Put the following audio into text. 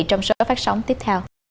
trong số phát sóng tiếp theo